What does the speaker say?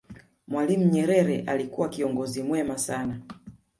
mwalimu nyerere alikuwa kiongozi mwema sana